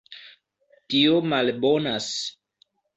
Tio malbonas.